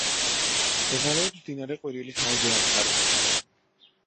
მდებარეობს მდინარე ყვირილის მარჯვენა მხარეს.